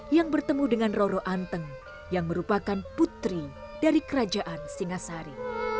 yang bertemu dengan roro anteng yang merupakan putri dari kerajaan singasari